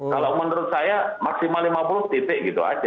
kalau menurut saya maksimal lima puluh titik gitu aja